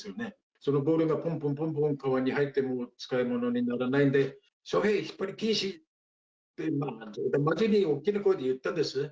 そのボールがぽんぽんぽんぽん川に入って、使い物にならないんで、翔平、引っ張り禁止って、冗談交じりに大きな声で言ったんですね。